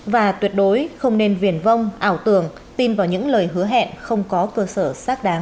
và tuyệt đối không nên viền vong ảo tưởng tin vào những lời hứa hẹn không có cơ sở xác đáng